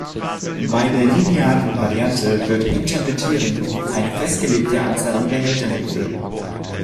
Bei der linearen Variante wird intermittierend eine festgelegte Anzahl an Behältern gefüllt.